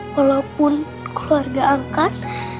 walaupun keluarga angkat